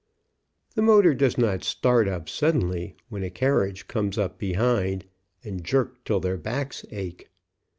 The motor does not start up sud denly when a carriage comes up behind, and jerk till their backs ache.